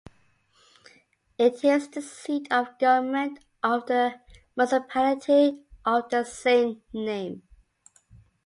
It is the seat of government of the municipality of the same name.